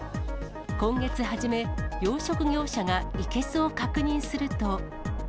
今月初め、養殖業者が生けすを確認すると。